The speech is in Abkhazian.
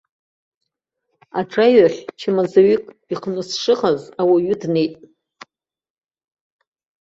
Аҿаҩахь чмазаҩык иҟны сшыҟаз ауаҩы днеит.